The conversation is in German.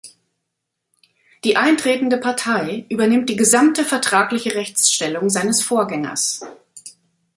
Die eintretende Partei übernimmt die gesamte vertragliche Rechtsstellung seines Vorgängers.